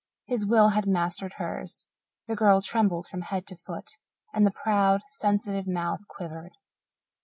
His will had mastered hers; the girl trembled from head to foot, and the proud, sensitive, mouth quivered.